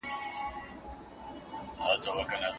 رشتیا خبري یا مست کوي یا لېوني.